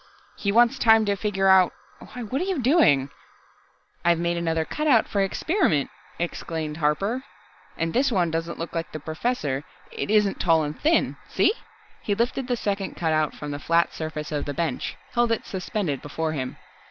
He wants time to figure out why, what are you doing?" "I've made another cutout for experiment," explained Harper. "And this one doesn't look like the Professor, isn't tall and thin. See ?" He lifted the second cutout from the flat surface of the bench, held it suspended before him.